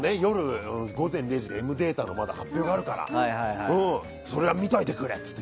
「午前０時の森」でエム・データの発表があるからそれを見といてくれって言って。